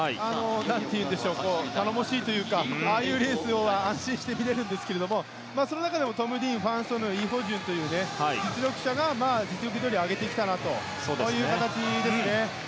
何ていうんでしょう頼もしいというかああいうレースは安心して見られるんですがその中でもトム・ディーンファン・ソヌイ・ホジュンという実力者が実力どおり、上げてきたなという形ですね。